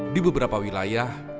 di beberapa wilayah